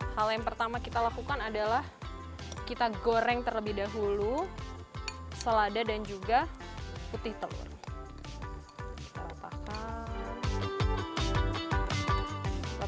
hal yang pertama kita lakukan adalah kita goreng terlebih dahulu selada dan juga putih telur